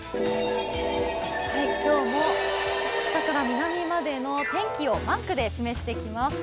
今日も北から南までの天気をマークで示していきます。